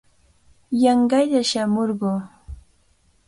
Yanqalla shamurquu.